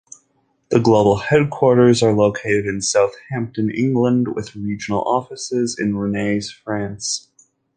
The global headquarters are located in Southampton, England with additional offices in Rennes, France.